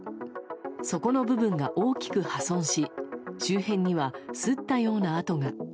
底の部分が大きく破損し周辺には、すったような跡が。